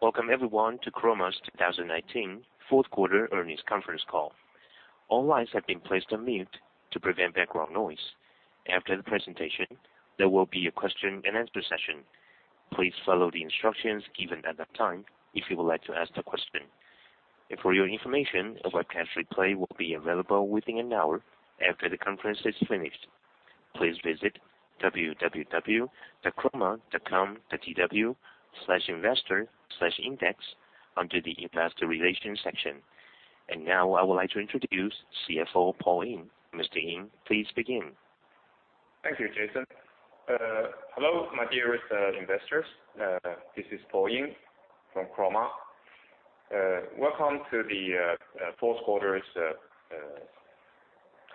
Welcome everyone to Chroma's 2019 fourth quarter earnings conference call. All lines have been placed on mute to prevent background noise. After the presentation, there will be a question and answer session. Please follow the instructions given at that time if you would like to ask the question. For your information, a webcast replay will be available within an hour after the conference is finished. Please visit www.chroma.com.tw/investor/index under the Investor Relations section. Now I would like to introduce CFO, Paul Ying. Mr. Ying, please begin. Thank you, Jason. Hello, my dearest investors. This is Paul Ying from Chroma. Welcome to the fourth quarter's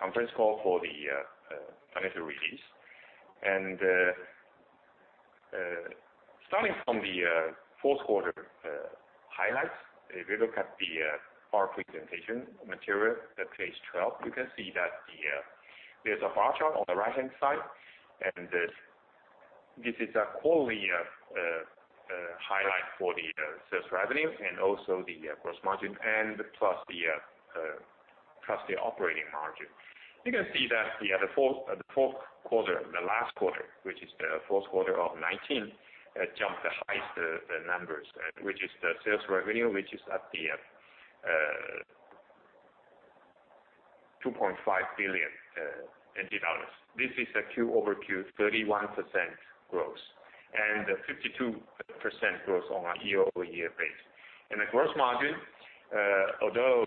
conference call for the financial release. Starting from the fourth quarter highlights, if you look at our presentation material at page 12, you can see that there's a bar chart on the right-hand side, this is a quarterly highlight for the sales revenue and also the gross margin, plus the operating margin. You can see that the fourth quarter, the last quarter, which is the fourth quarter of 2019, jumped the highest, the numbers, which is the sales revenue, which is at 2.5 billion NT dollars. This is a quarter-over-quarter 31% growth, a 52% growth on a year-over-year base. The gross margin, although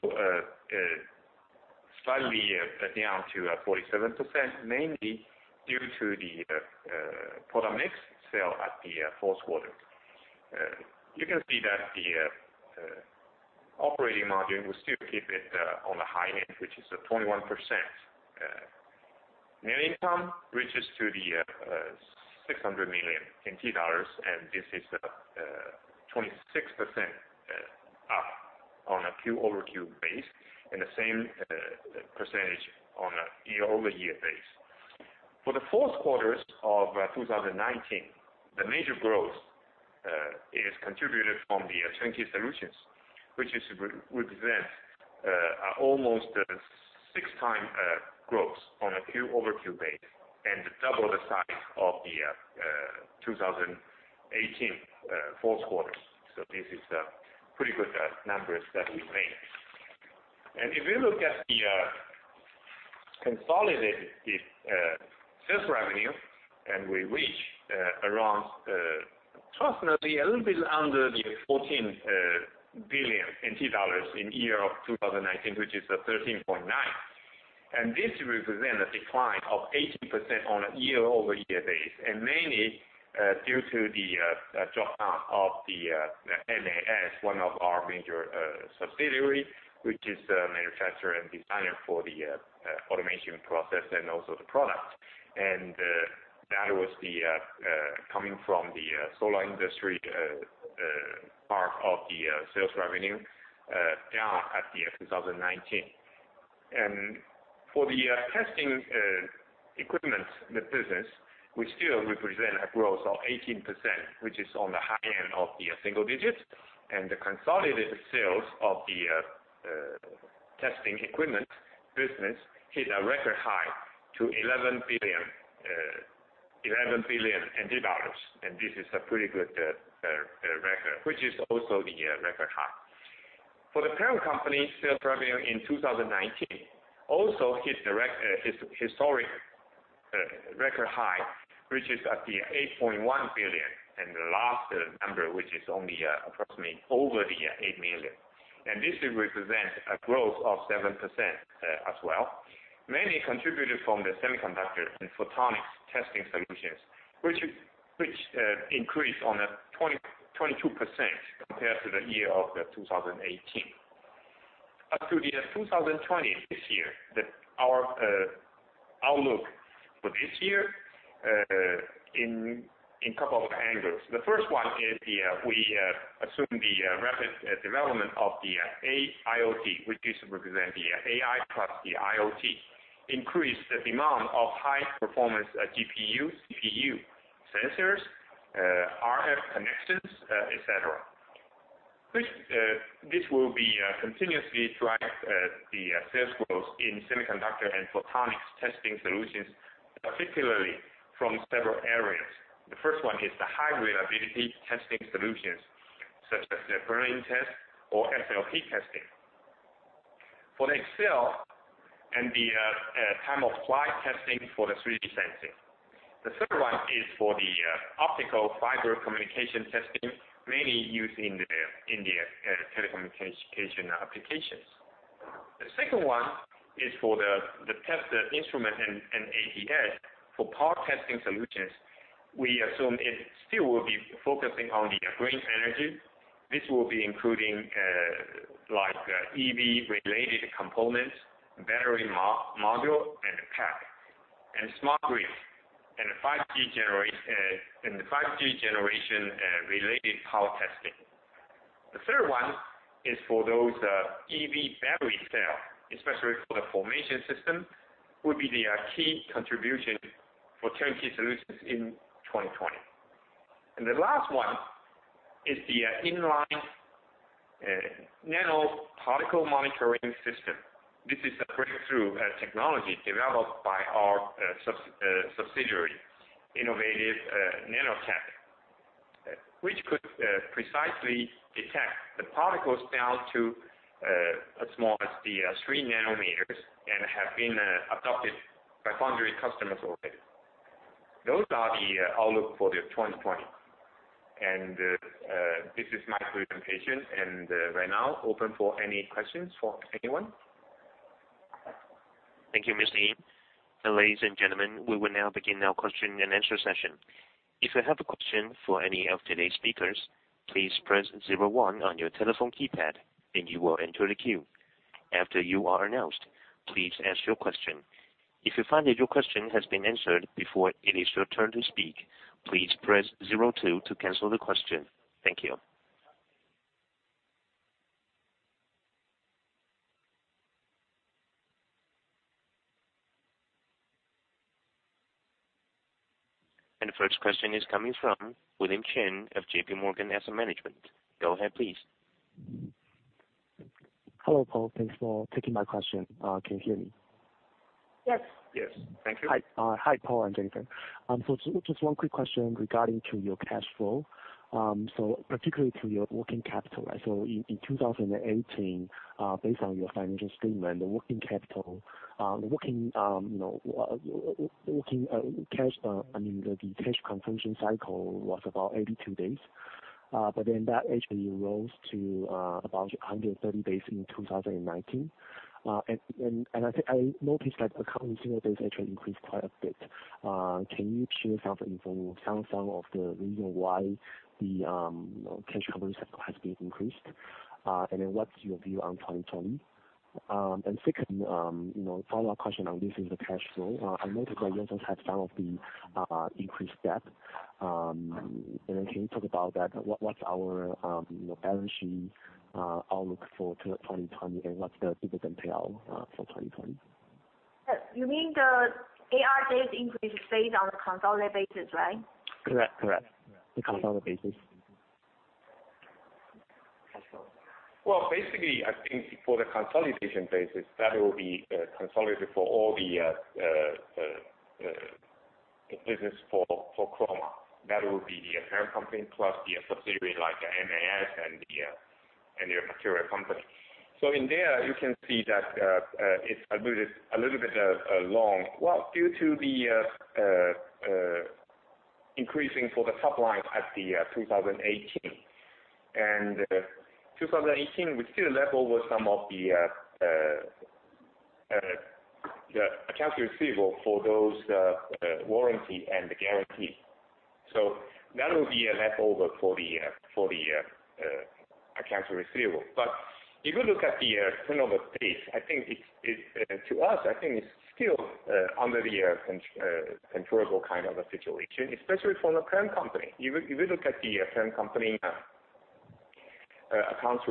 slightly down to 47%, mainly due to the product mix sale at the fourth quarter. You can see that the operating margin, we still keep it on the high end, which is 21%. Net income reaches to the 600 million dollars. This is 26% up on a quarter-over-quarter base, and the same percentage on a year-over-year base. For the fourth quarter of 2019, the major growth is contributed from the turnkey solutions, which represent almost six times growth on a quarter-over-quarter base and double the size of the 2018 fourth quarter. This is pretty good numbers that we made. If you look at the consolidated sales revenue, and we reach around approximately a little bit under the 14 billion NT dollars in year of 2019, which is 13.9 billion. This represents a decline of 18% on a year-over-year base, mainly due to the drop of the MAS, one of our major subsidiaries, which is the manufacturer and designer for the automation process and also the product. That was coming from the solar industry part of the sales revenue down at the 2019. For the testing instrument business, we still represent a growth of 18%, which is on the high end of the single digits. The consolidated sales of the testing instrument business hit a record high to 11 billion, and this is a pretty good record, which is also the record high. For the current company sales revenue in 2019 also hit the record high, which is at the 8.1 billion, and the last number, which is only approximately over the 8 million. This represents a growth of 7% as well, mainly contributed from the semiconductor and photonics testing solutions, which increased on a 22% compared to the year of 2018. Up to the 2020, this year, our outlook for this year, in couple of angles. The first one is we assume the rapid development of the AIoT, which is represent the AI plus the IoT, increase the demand of high performance GPU, CPU, sensors, RF connections, et cetera. This will be continuously drive the sales growth in semiconductor and photonics testing solutions, particularly from several areas. The first one is the high reliability testing solutions, such as the burn-in test or FOPLP testing. For the VCSEL and the time-of-flight testing for the 3D sensing. The third one is for the optical fiber communication testing, mainly used in the telecommunication applications. The second one is for the test instrument and ATEs for power testing solutions. We assume it still will be focusing on the green energy. This will be including EV-related components, battery module, and pack, and smart grid, and the 5G generation-related power testing. The third one is for those EV battery cell, especially for the formation system, would be the key contribution for turnkey solutions in 2020. The last one is the inline nano particle monitoring system. This is a breakthrough technology developed by our subsidiary, Innovative Nanotech, which could precisely detect the particles down to as small as 3 nm, and have been adopted by foundry customers already. Those are the outlook for the 2020. This is my presentation, and right now open for any questions from anyone. Thank you, Mr. Ying. Ladies and gentlemen, we will now begin our question and answer session. If you have a question for any of today's speakers, please press zero one on your telephone keypad and you will enter the queue. After you are announced, please ask your question. If you find that your question has been answered before it is your turn to speak, please press zero two to cancel the question. Thank you. The first question is coming from William Chin of JPMorgan Asset Management. Go ahead, please. Hello, Paul. Thanks for taking my question. Can you hear me? Yes. Yes. Thank you. Hi, Paul and Jennifer. Just one quick question regarding to your cash flow, particularly to your working capital. In 2018, based on your financial statement, the working cash consumption cycle was about 82 days. That actually rose to about 130 days in 2019. I noticed that the accounts receivables actually increased quite a bit. Can you share some of the reason why the cash conversion cycle has been increased? What's your view on 2020? Second, follow-up question on this is the cash flow. I noticed that you also had some of the increased debt. Can you talk about that? What's our balance sheet outlook for 2020, and what's the dividend payout for 2020? You mean the AR days increase based on the consolidated basis, right? Correct. The consolidated basis. Cash flow. Basically, I think for the consolidation basis, that will be consolidated for all the business for Chroma. That will be the parent company plus the subsidiary like MAS and the material company. In there, you can see that it's a little bit long. Due to the increasing for the top line at the 2018. 2018, we still left over some of the accounts receivable for those warranty and guarantees. That will be a leftover for the accounts receivable. If you look at the turnover days, to us, I think it's still under the controllable kind of a situation, especially from the parent company. If you look at the parent company accounts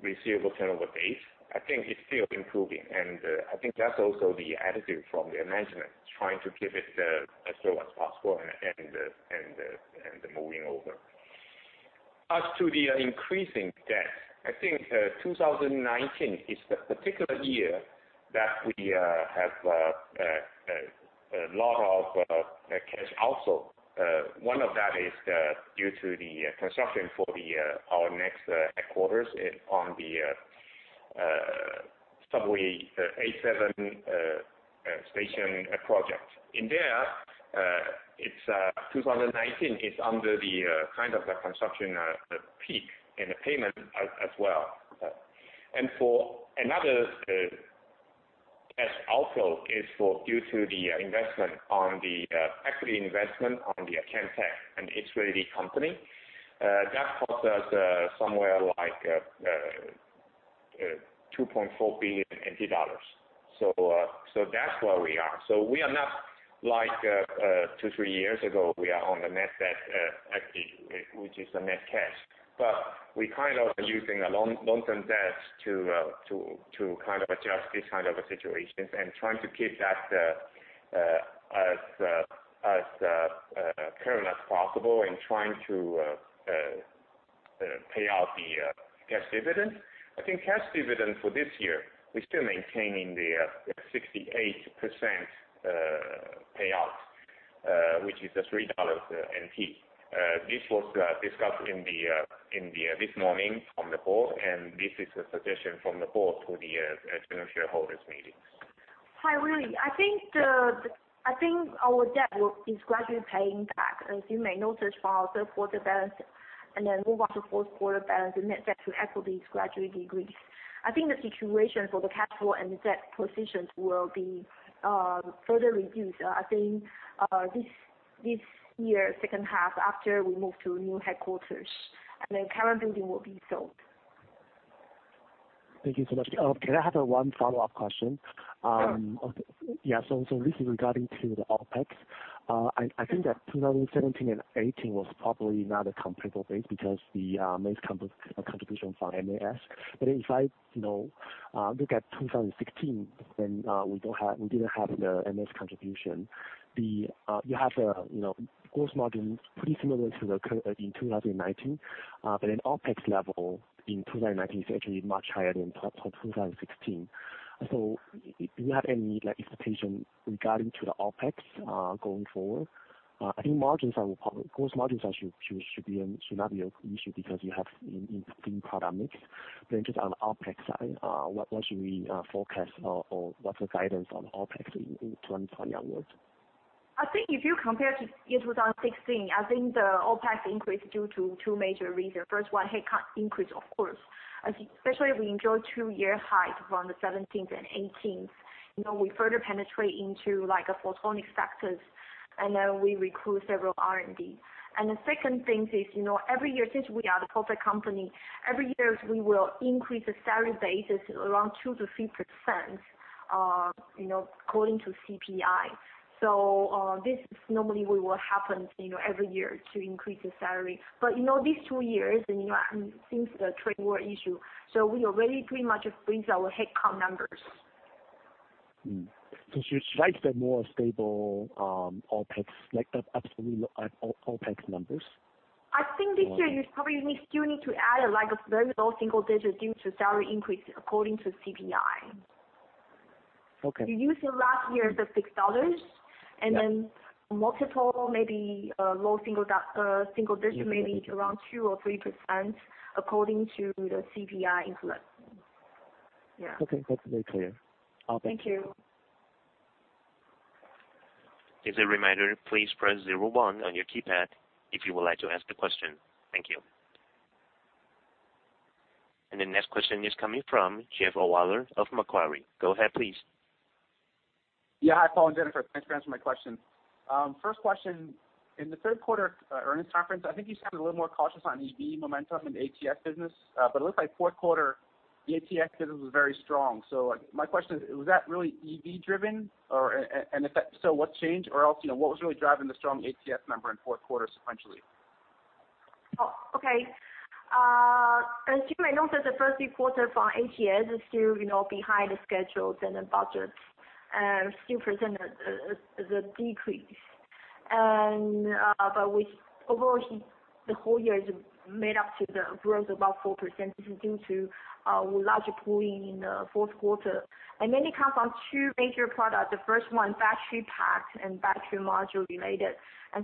receivable turnover days, I think it's still improving, and I think that's also the attitude from the management, trying to keep it as low as possible and moving over. As to the increasing debt, I think 2019 is the particular year that we have a lot of cash outflow. One of that is due to the construction for our next headquarters on the MRT A7 station project. In there, 2019 is under the kind of the construction peak in the payment as well. For another cash outflow is due to the equity investment on the Camtek and LED company. That cost us somewhere like 2.4 billion NT dollars. That's where we are. We are not like two, three years ago, we are on the net debt, which is the net cash. We kind of are using a long-term debt to kind of adjust this kind of a situation and trying to keep that as current as possible and trying to pay out the cash dividend. I think cash dividend for this year, we're still maintaining the 68% payout, which is a 3 NT dollars. This was discussed this morning from the board, this is a suggestion from the board to the general shareholders meeting. Hi, William. I think our debt is gradually paying back. As you may notice from our third quarter balance and then move on to fourth quarter balance, the net debt to equity is gradually decrease. I think the situation for the cash flow and debt position will be further reduced. I think this year, second half, after we move to a new headquarters, and then current building will be sold. Thank you so much. Can I have one follow-up question? Sure. This is regarding the OpEx. I think that 2017 and 2018 was probably not a comparable base because the main contribution from MAS. If I look at 2016, we didn't have the MAS contribution. You have the gross margin pretty similar to in 2019, OpEx level in 2019 is actually much higher than 2016. Do you have any expectation regarding to the OpEx going forward? I think gross margins should not be an issue because you have interesting product mix. Just on OpEx side, what should we forecast or what's the guidance on OpEx in 2021? I think if you compare to year 2016, I think the OpEx increased due to two major reasons. First one, headcount increase, of course, especially we enjoy two year highs from the 2017 and 2018. We further penetrate into a photonic sectors, then we recruit several R&D. The second thing is, every year since we are the public company, every year we will increase the salary basis around 2%-3%, according to CPI. This normally will happen every year to increase the salary. These two years, since the trade war issue, we already pretty much freeze our headcount numbers. should we expect a more stable OpEx, like absolutely flat OpEx numbers? I think this year you probably still need to add a very low single-digit due to salary increase according to CPI. Okay. You use the last year as a base, and then multiple, maybe a low single digit, maybe around 2% or 3% according to the CPI influence. Yeah. Okay. That's very clear. Thank you. Thank you. As a reminder, please press zero one on your keypad if you would like to ask a question. Thank you. The next question is coming from Jeff O'Connor of Macquarie. Go ahead, please. Yeah. Hi, Paul and Jennifer. Thanks for answering my question. First question, in the third quarter earnings conference, I think you sounded a little more cautious on EV momentum in the ATS business. It looks like fourth quarter, the ATS business was very strong. My question is, was that really EV driven? If that, what's changed? Else, what was really driving the strong ATS number in fourth quarter sequentially? Okay. As you may note that the first three quarter for ATS is still behind the schedules and the budget, and still present the decrease. Overall, the whole year is made up to the growth above 4%. This is due to our larger pulling in the fourth quarter. Mainly comes from two major products. The first one, battery pack and battery module related.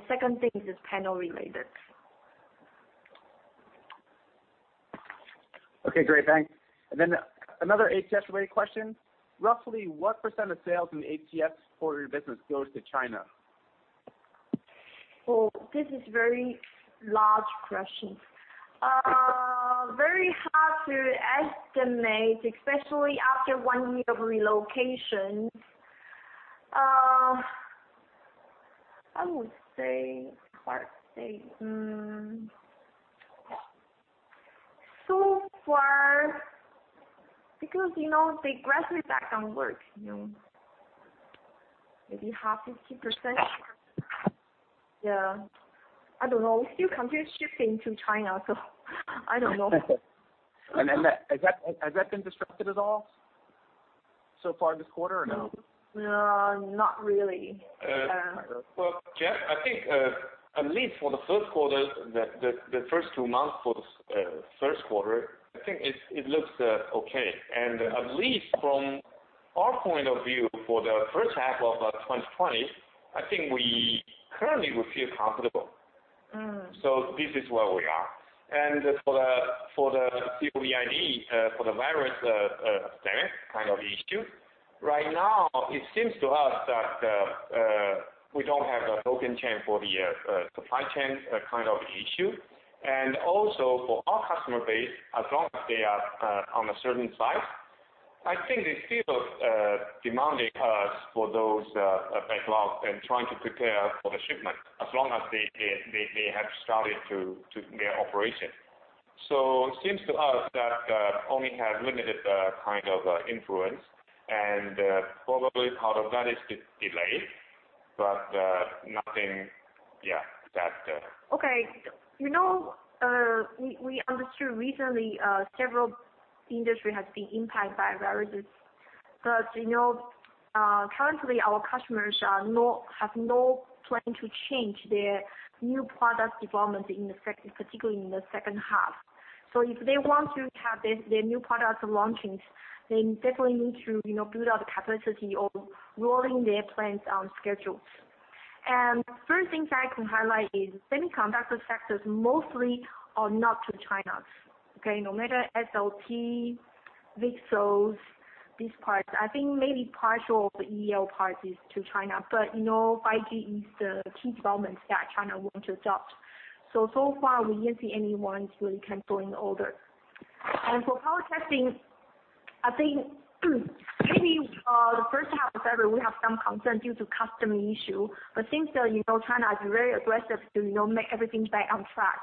Second thing is panel related. Okay, great. Thanks. Another ATS related question. Roughly what percent of sales in the ATS for your business goes to China? Oh, this is very large question. Very hard to estimate, especially after one year of relocation. I would say, it's hard to say. So far, because they gradually back on work, maybe half, 50%. Yeah. I don't know. We still continue shifting to China, so I don't know. Has that been disrupted at all so far this quarter or no? No, not really. I don't know. Well, Jeff, I think at least for the first quarter, the first two months for the first quarter, I think it looks okay. At least from our point of view for the first half of 2020, I think we currently feel comfortable. This is where we are. For the COVID, for the virus pandemic kind of issue, right now, it seems to us that we don't have a broken chain for the supply chain kind of issue. Also for our customer base, as long as they are on a certain size, I think they still demanding us for those backlogs and trying to prepare for the shipment as long as they have started their operation. It seems to us that only has limited kind of influence and probably part of that is delayed, but nothing. Okay. We understood recently, several industries has been impacted by viruses, but currently our customers have no plan to change their new product development, particularly in the second half. If they want to have their new product launches, they definitely need to build out the capacity or rolling their plans on schedule. First thing I can highlight is semiconductor sectors mostly are not to China. No matter SLT, VCSELs, these parts, I think maybe partial of the EV parts is to China, but 5G is the key development that China wants to adopt. So far we didn't see anyone really canceling orders. For power testing, I think maybe the first half of February, we have some concerns due to customs issue, but since then China is very aggressive to make everything back on track.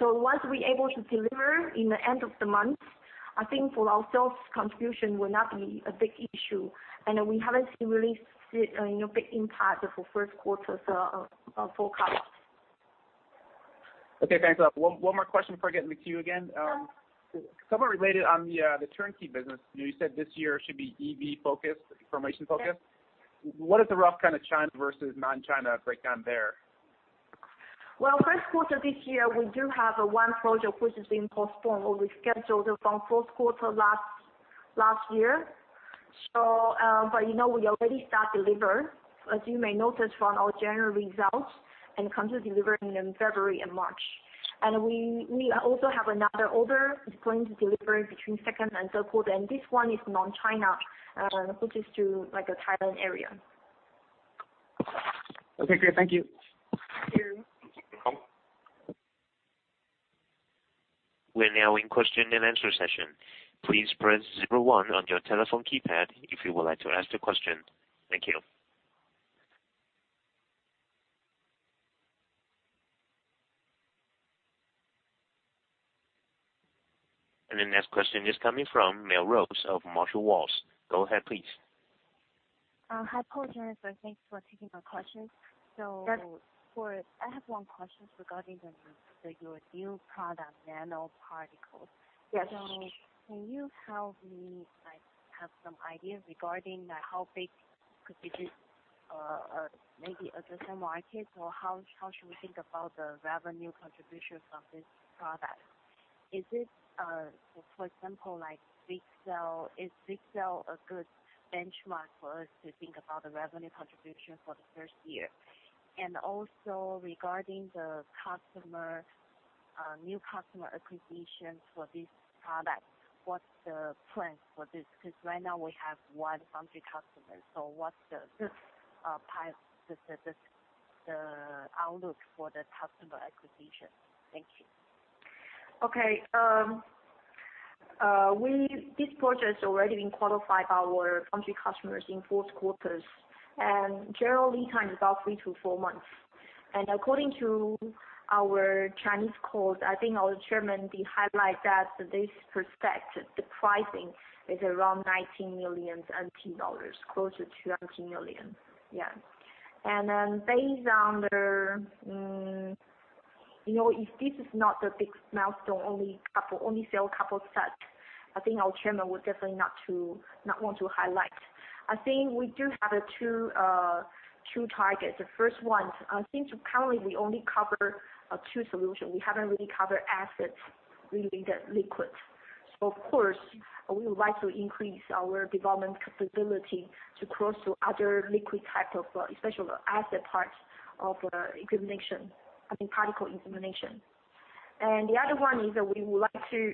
Once we're able to deliver in the end of the month, I think for ourselves, contribution will not be a big issue, and we haven't seen really big impact for first quarter's forecast. Okay, thanks a lot. One more question before I get in the queue again. Sure. Somewhere related on the turnkey business. You said this year should be EV-focused, formation-focused. Yes. What is the rough kind of China versus non-China breakdown there? Well, first quarter this year, we do have one project which is being postponed or rescheduled from fourth quarter last year. We already start deliver, as you may notice from our general results, and come to delivering in February and March. We also have another order that's going to deliver between second and third quarter, and this one is non-China, which is to like a Thailand area. Okay, great. Thank you. Thank you. You're welcome. We're now in question and answer session. Please press 01 on your telephone keypad if you would like to ask a question. Thank you. The next question is coming from Mel Rose of Marshall Wace. Go ahead, please. Hi, Paul and Jennifer. Thanks for taking our questions. Yes. I have one question regarding your new product, nanoparticles. Yes. Can you help me have some idea regarding how big could this be, maybe addressable market, or how should we think about the revenue contribution from this product? Is it, for example, like VCSEL? Is VCSEL a good benchmark for us to think about the revenue contribution for the first year? Also regarding the new customer acquisitions for this product, what's the plan for this? Because right now we have one foundry customer. What's the outlook for the customer acquisition? Thank you. Okay. This project's already been qualified by our foundry customers in fourth quarter. Generally time is about three to four months. According to our Chinese calls, I think our chairman did highlight that this perspective, the pricing is around 19 million NT dollars, closer to 20 million. Yeah. If this is not the big milestone, only sell a couple sets, I think our chairman would definitely not want to highlight. I think we do have two targets. The first one, I think currently we only cover two solutions. We haven't really covered assays relating to liquids. Of course, we would like to increase our development capability to cross to other liquid type, especially the assay part of the equipment, I think particle implementation. The other one is that we would like to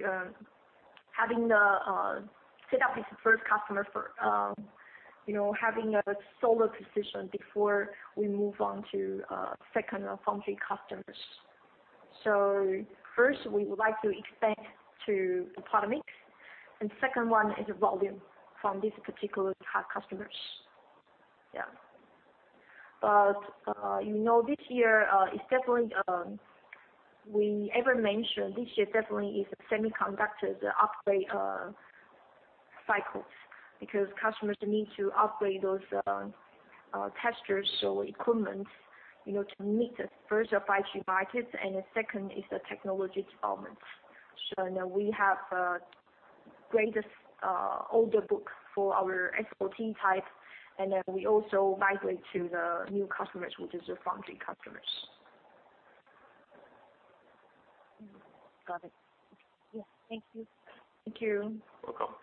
set up this first customer for having a solid position before we move on to second or foundry customers. First, we would like to expand to product mix, and second one is volume from these particular customers. This year, we ever mention this year definitely is a semiconductor upgrade cycles, because customers need to upgrade those testers or equipment to meet the first 5G markets, and the second is the technology development. Now we have greatest order book for our SLT type, and then we also migrate to the new customers, which is the foundry customers. Got it. Yeah. Thank you. Thank you. You're welcome.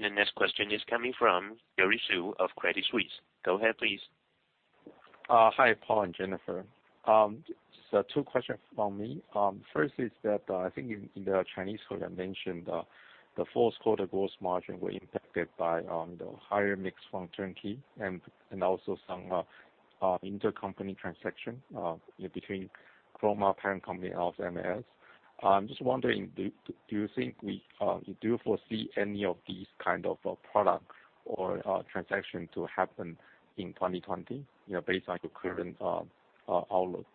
The next question is coming from Gary Xu of Credit Suisse. Go ahead, please. Hi, Paul and Jennifer. Two questions from me. First is that I think in the Chinese call you mentioned the fourth quarter gross margin were impacted by the higher mix from turnkey and also some intercompany transaction between Chroma parent company and LMS. I'm just wondering, do you foresee any of these kind of products or transaction to happen in 2020 based on your current outlook?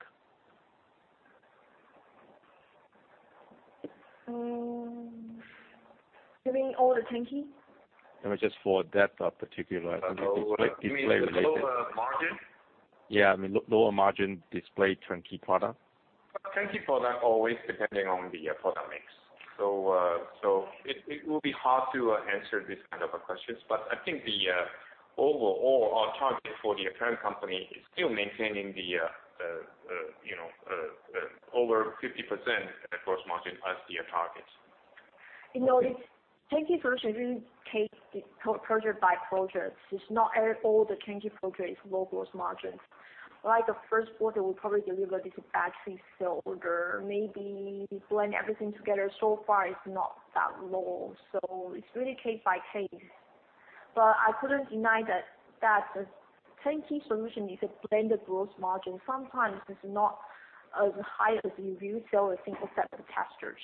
You mean all the turnkey? No, just for that particular display-related. You mean the lower margin? Yeah. I mean lower margin display turnkey product. Turnkey product always depending on the product mix. It will be hard to answer this kind of a question, but I think the overall target for the parent company is still maintaining over 50% gross margin as the target. It's turnkey solution, really case project by project. It's not all the turnkey project is low gross margin. Like the first quarter, we probably deliver this battery cell order. Maybe we blend everything together. So far it's not that low, so it's really case by case. I couldn't deny that the turnkey solution is a blended gross margin. Sometimes it's not as high as if you sell a single set of testers.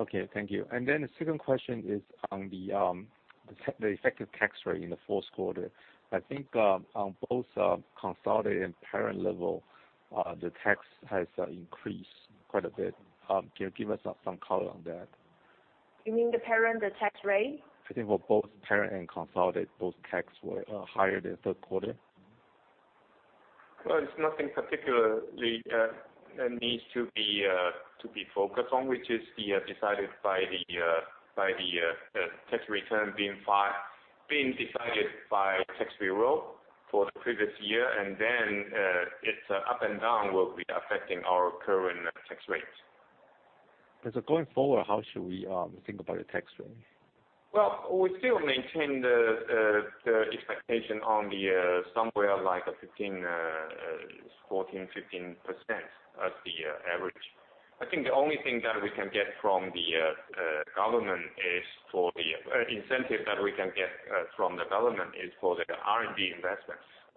Okay, thank you. The second question is on the effective tax rate in the fourth quarter. I think on both consolidated and parent level, the tax has increased quite a bit. Can you give us some color on that? You mean the parent, the tax rate? I think for both parent and consolidated, both tax were higher than third quarter. Well, it's nothing particularly that needs to be focused on, which is decided by the tax return being decided by tax bureau for the previous year. Its up and down will be affecting our current tax rates. Going forward, how should we think about the tax rate? Well, we still maintain the expectation on somewhere like 14% or 15% as the average. I think the only incentive that we can get from the government is for the R&D investments.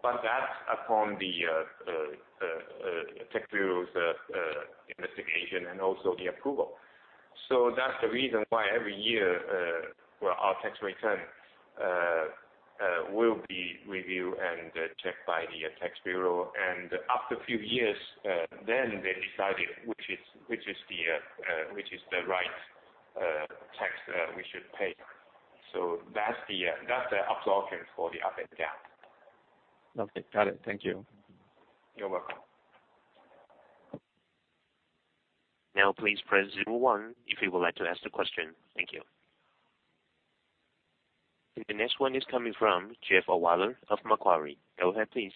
That's upon the tax bureau's investigation and also the approval. That's the reason why every year, our tax return will be reviewed and checked by the tax bureau. After a few years, then they decided which is the right tax that we should pay. That's the absorption for the up and down. Okay, got it. Thank you. You're welcome. Now please press zero one if you would like to ask the question. Thank you. The next one is coming from Jeff O'Connor of Macquarie. Go ahead, please.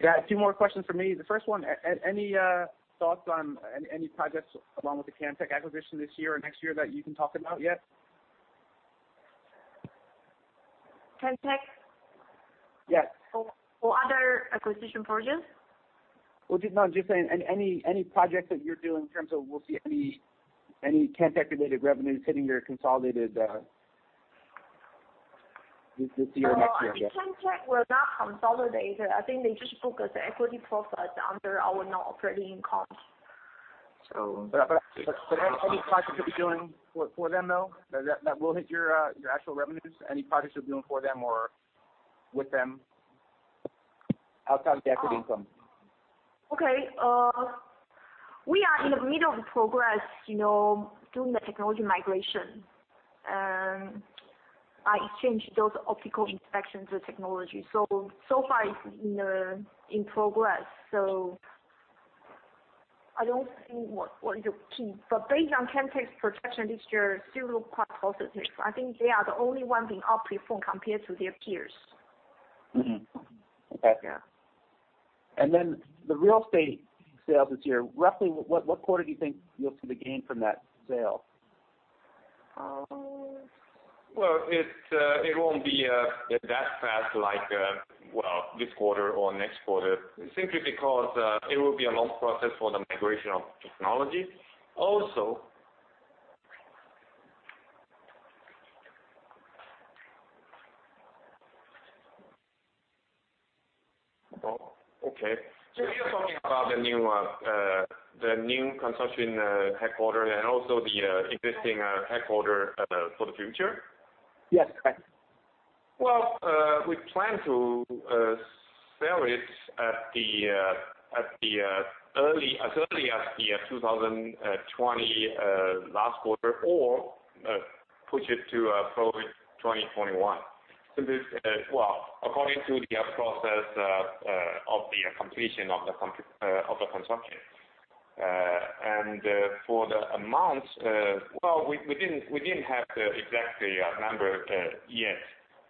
Yeah, a few more questions for me. The first one, any thoughts on any projects along with the Camtek acquisition this year or next year that you can talk about yet? Camtek? Yes. Other acquisition projects? Well, no, just saying any projects that you're doing in terms of we'll see any Camtek related revenues hitting your consolidated this year or next year yet? No. Camtek, we're not consolidated. I think they just book us the equity profit under our non-operating cost. Any projects that you're doing for them, though, that will hit your actual revenues? Any projects you're doing for them or with them outside of the equity income? Okay. We are in the middle of progress doing the technology migration, and I exchange those optical inspections with technology. So far it's in progress, so I don't think what is the key, but based on Camtek's projection this year still look quite positive. I think they are the only one being out-performed compared to their peers. Mm-hmm. Okay. Yeah. The real estate sales this year, roughly what quarter do you think you'll see the gain from that sale? Well, it won't be that fast, like this quarter or next quarter, simply because it will be a long process for the migration of technology. Well, okay. You're talking about the new construction headquarter and also the existing headquarter for the future? Yes, correct. Well, we plan to sell it as early as the 2020 last quarter or push it to probably 2021. Well, according to the process of the completion of the construction. For the amount, well, we didn't have the exact number yet,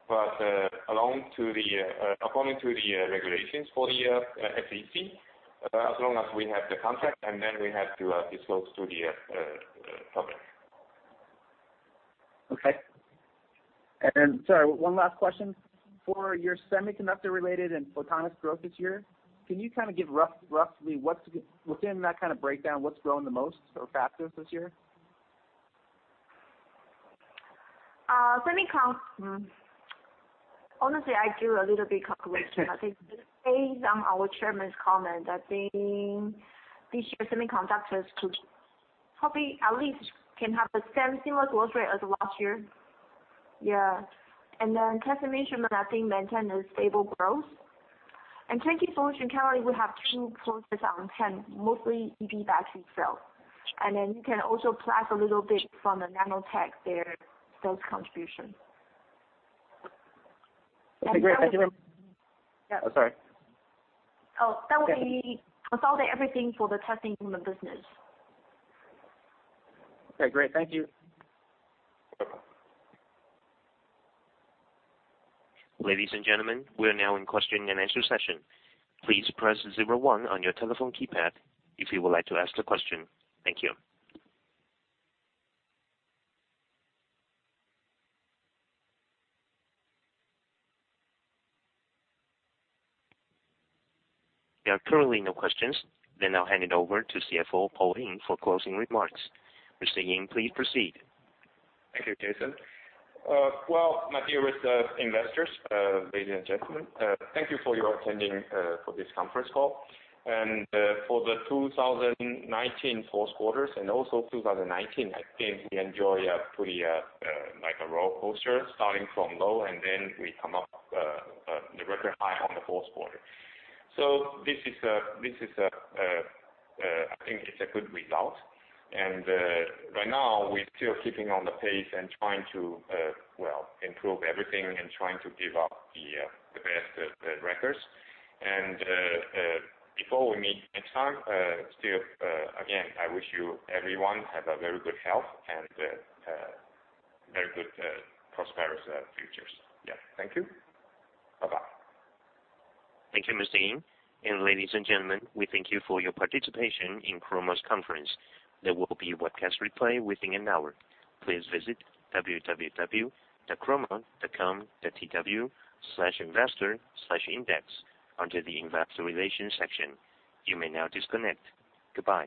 according to the regulations for the SEC, as long as we have the contract, then we have to disclose to the public. Okay. Sorry, one last question. For your semiconductor related and photonics growth this year, can you give roughly within that kind of breakdown, what's growing the most or fastest this year? Honestly, I do a little bit calculation. I think based on our chairman's comment, I think this year semiconductors could probably at least can have the same similar growth rate as last year. Yeah. Then test and measurement, I think maintain a stable growth. In turnkey solution currently, we have two focuses on hand, mostly EV battery cell. Then you can also plus a little bit from the Nanotech, their sales contribution. Okay, great. Thank you very- Yeah. Oh, sorry. Oh, that will be consolidate everything for the testing instrument business. Okay, great. Thank you. Ladies and gentlemen, we are now in question and answer session. Please press zero one on your telephone keypad if you would like to ask the question. Thank you. There are currently no questions. I'll hand it over to CFO, Paul Ying for closing remarks. Mr. Ying, please proceed. Thank you, Jason. Well, my dearest investors, ladies and gentlemen, thank you for your attending for this conference call. For the 2019 fourth quarters and also 2019, I think we enjoy a pretty rollercoaster starting from low, then we come up the record high on the fourth quarter. This is, I think, it's a good result. Right now we're still keeping on the pace and trying to improve everything and trying to give out the best records. Before we meet next time, still, again, I wish you everyone have a very good health and very good prosperous futures. Yeah. Thank you. Bye-bye. Thank you, Mr. Ying. Ladies and gentlemen, we thank you for your participation in Chroma's conference. There will be webcast replay within an hour. Please visit www.chroma.com.tw/investor/index under the investor relations section. You may now disconnect. Goodbye.